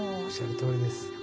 おっしゃるとおりです。